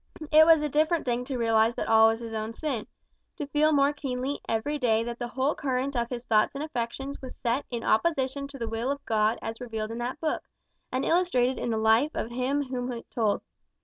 It was a different thing to recognize that all was his own sin to feel more keenly every day that the whole current of his thoughts and affections was set in opposition to the will of God as revealed in that book, and illustrated in the life of him of whom it told.